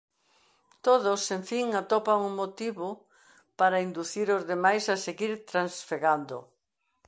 Todos, en fin, atopan un motivo para inducir os demais a seguir trasfegando.